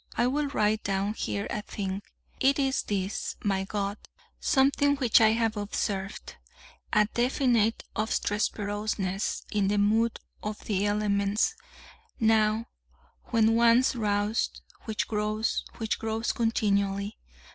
I will write down here a thing: it is this, my God something which I have observed: a definite obstreperousness in the mood of the elements now, when once roused, which grows, which grows continually.